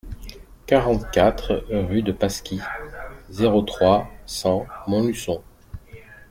quarante-quatre rue de Pasquis, zéro trois, cent Montluçon